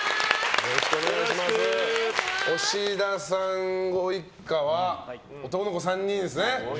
押田さんご一家は男の子３人ですね。